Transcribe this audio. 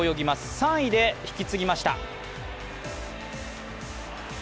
３位で引き継ぎました。